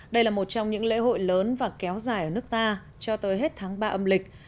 đây là một trong những lễ hội lớn và kéo dài ở nước ta cho tới hết tháng ba âm lịch